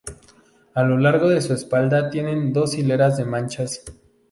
A lo largo de su espalda tienen dos hileras de manchas.